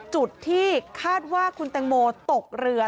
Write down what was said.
จุดที่คาดว่าคุณแตงโมตกเรือ